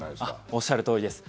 おっしゃるとおりです。